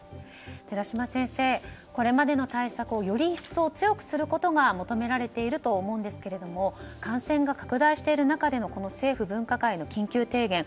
寺嶋先生、これまでの対策をより一層強くすることが求められていると思うのですが感染が拡大してる中での政府分科会の緊急提言。